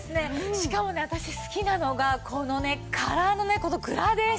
しかもね私好きなのがこのねカラーのねこのグラデーション。